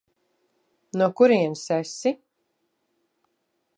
No kurienes esi?